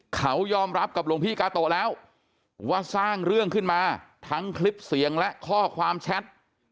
เขายอมรับกับหลวงพี่กาโตะแล้วว่าสร้างเรื่องขึ้นมาทั้งคลิปเสียงและข้อความแชท